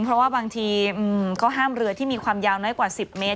เพราะว่าบางทีก็ห้ามเรือที่มีความยาวน้อยกว่า๑๐เมตร